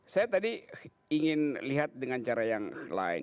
saya tadi ingin lihat dengan cara yang lain